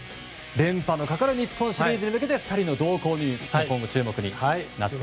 連覇のかかる日本シリーズに向けて２人の動向に今後注目です。